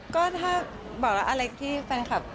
ก็ถ้าบอกแล้วอะไรที่แฟนคลับ